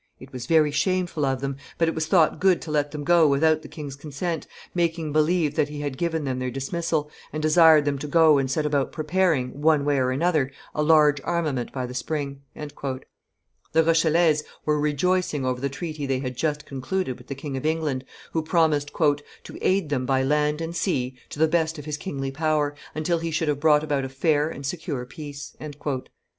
"It was very shameful of them, but it was thought good to let them go without the king's consent, making believe that he had given them their dismissal, and desired them to go and set about preparing, one way or another, a large armament by the spring." The Rochellese were rejoicing over the treaty they had just concluded with the King of England, who promised "to aid them by land and sea, to the best of his kingly power, until he should have brought about a fair and secure peace."